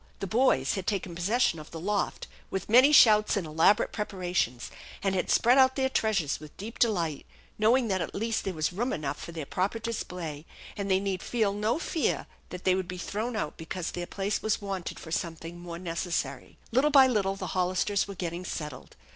The boys had taken possession of the loft with many shouts and elaborate preparations, and had spread out their treasures with deep delight, knowing that at last there was room enough for their proper display and they need feel no fear that they would be thrown out because their place was wanted for something more necessary. Little by little the Hollisters were getting settled.